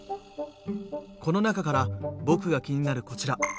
この中から僕が気になるこちら。